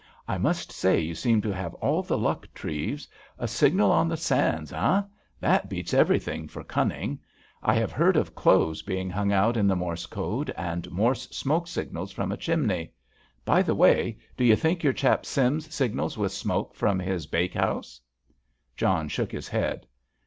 I must say you seem to have all the luck, Treves. A signal on the sands, eh? That beats everything for cunning. I have heard of clothes being hung out in the Morse code, and Morse smoke signals from a chimney—by the way, do you think your chap Sims signals with smoke from his bakehouse?" John shook his head.